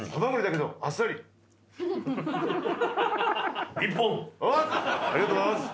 ありがとうございます。